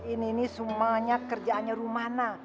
ini ini semuanya kerjaannya rumana